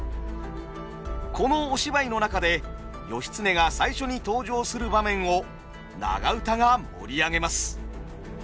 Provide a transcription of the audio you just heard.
このお芝居の中で義経が最初に登場する場面を長唄が盛り上げます。